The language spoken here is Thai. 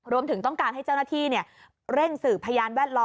รวมถึงต้องการให้เจ้าหน้าที่เร่งสืบพยานแวดล้อม